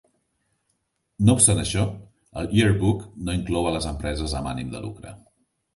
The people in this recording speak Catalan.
No obstant això, el Yearbook no inclou a les empreses amb ànim de lucre.